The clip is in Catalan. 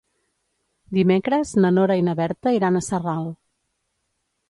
Dimecres na Nora i na Berta iran a Sarral.